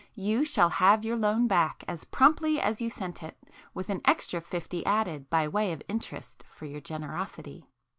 You shall have your loan back as promptly as you sent it, with an extra fifty added by way of interest for your generosity.